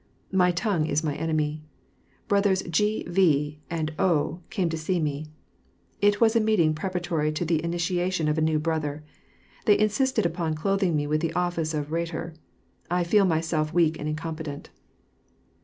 My tongue is my enemy. Brothers 6. V and O came to see me; it was a meeting preparatory to the initiation of a new brother. They insisted upon clothing me with the office of Rhetor. I feel myself weak and incompetent.